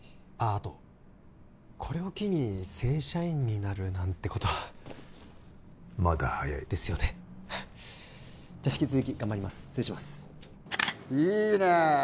あとこれを機に正社員になるなんてことはまだ早いですよねじゃ引き続き頑張ります失礼しますいいね！